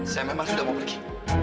saya memang sudah mau pergi